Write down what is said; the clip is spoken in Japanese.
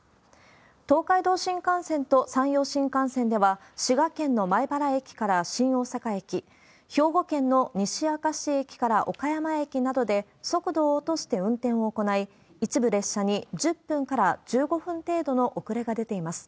東海道新幹線と山陽新幹線では、滋賀県の米原駅から新大阪駅、兵庫県の西明石駅から岡山駅などで、速度を落として運転を行い、一部列車に１０分から１５分程度の遅れが出ています。